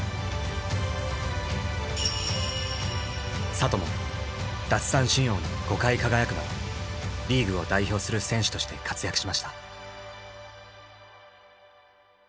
里も奪三振王に５回輝くなどリーグを代表する選手として活躍しました。